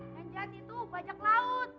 yang jahat itu bajak laut